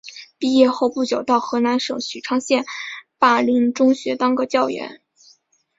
毕业后不久到河南省许昌县灞陵中学当教员。